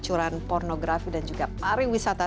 kecurangan pornografi dan juga pariwisata